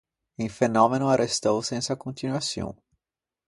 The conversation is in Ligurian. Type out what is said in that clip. Un fenòmeno arrestou sensa continuaçion.